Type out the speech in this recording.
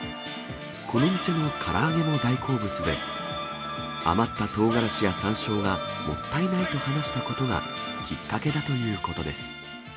この店のから揚げも大好物で、余ったとうがらしやさんしょうがもったいないと話したことが、きっかけだということです。